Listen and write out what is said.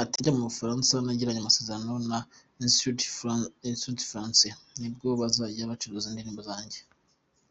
Ati “Njya mu Bufaransa nagiranye amasezerano na Institut Français, nibo bazajya bacuruza indirimbo zanjye.